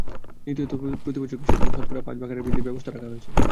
দ্বিতীয়ত, প্রতিবছর গ্যাসের দাম শতকরা পাঁচ ভাগ হারে বৃদ্ধির ব্যবস্থা রাখা হয়েছে।